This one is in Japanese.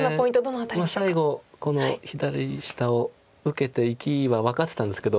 最後この左下を受けて生きは分かってたんですけど。